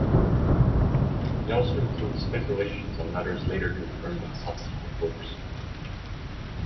It also includes speculation on matters later confirmed in subsequent works.